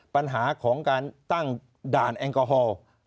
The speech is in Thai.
ปัญหาของการตั้งด่านแอลกอฮอล์